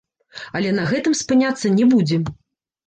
Але на гэтым спыняцца не будзем.